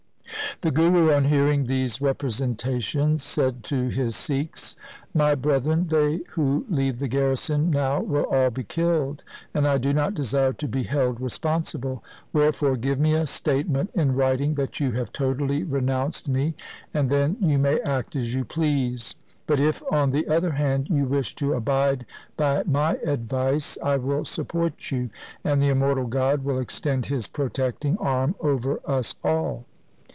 The Guru on hearing these representations said to his Sikhs, ' My brethren, they who leave the garrison now will all be killed, and I do not desire to be held responsible. Wherefore give me a statement in writing that you have totally renounced me, and then you may act as you please. But if, on the other hand, you wish to abide by my advice, I will support you, and the immortal God will extend His protecting arm over us all.